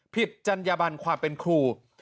จัญญบันความเป็นครู